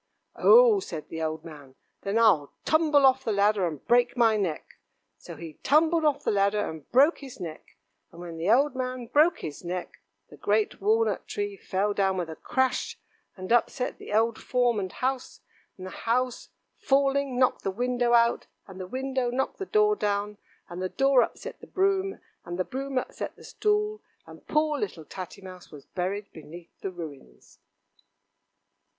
"Oh!" said the old man, "then I'll tumble off the ladder and break my neck." So he tumbled off the ladder and broke his neck; and when the old man broke his neck, the great walnut tree fell down with a crash, and upset the old form and house, and the house falling knocked the window out, and the window knocked the door down, and the door upset the broom, and the broom upset the stool, and poor little Tatty Mouse was buried beneath the ruins.